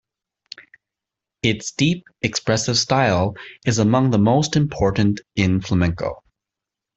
Its deep, expressive style is among the most important in flamenco.